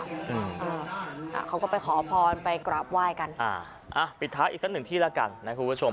อ่าเขาก็ไปขอพรไปกราบไหว้กันอ่าอ่ะปิดท้ายอีกสักหนึ่งที่แล้วกันนะคุณผู้ชม